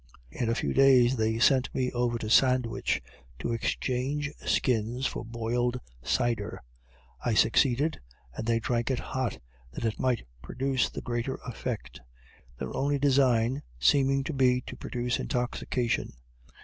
In a few days they sent me over to Sandwich, to exchange skins for boiled cider. I succeeded; and they drank it hot, that it might produce the greater effect; their only design seeming to be to produce intoxication.